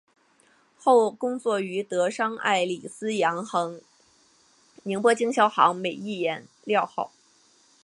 后工作于德商爱礼司洋行宁波经销行美益颜料号。